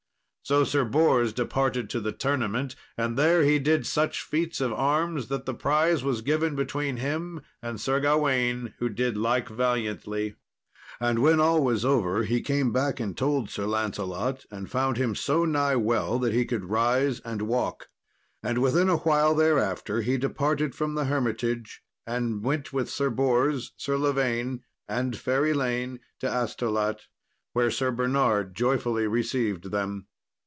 So Sir Bors departed to the tournament, and there he did such feats of arms that the prize was given between him and Sir Gawain, who did like valiantly. And when all was over he came back and told Sir Lancelot, and found him so nigh well that he could rise and walk. And within a while thereafter he departed from the hermitage and went with Sir Bors, Sir Lavaine, and fair Elaine to Astolat, where Sir Bernard joyfully received them.